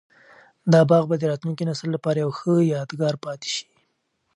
دا باغ به د راتلونکي نسل لپاره یو ښه یادګار پاتي شي.